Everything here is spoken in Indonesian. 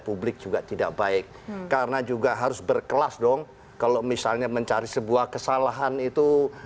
publik juga tidak baik karena juga harus berkelas dong kalau misalnya mencari sebuah kesalahan itu